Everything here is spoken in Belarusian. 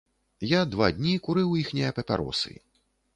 Я два дні курыў іхнія папяросы.